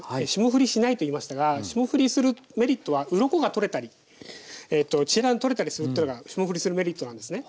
霜降りしないと言いましたが霜降りするメリットはウロコが取れたりえっと血が取れたりするってのが霜降りするメリットなんですね。